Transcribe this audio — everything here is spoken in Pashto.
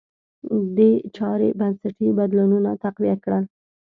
دې چارې بنسټي بدلونونه تقویه کړل.